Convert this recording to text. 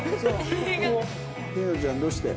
璃乃ちゃんどうして？